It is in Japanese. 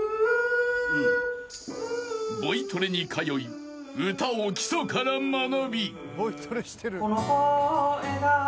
［ボイトレに通い歌を基礎から学び］